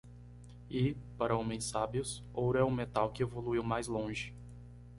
E? para homens sábios? ouro é o metal que evoluiu mais longe.